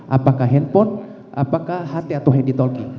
apakah handphone apakah ht atau handytalking